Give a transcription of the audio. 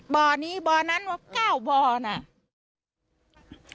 บ่อนี้บ่อนั้นว่า๙บ่อน่ะ